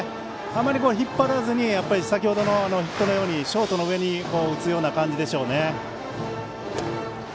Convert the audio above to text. あまり引っ張らずに先程のヒットのようにショートの上に打つような感じでしょうね。